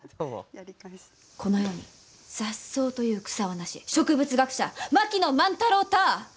この世に雑草という草は、なし植物学者、槙野万太郎たぁ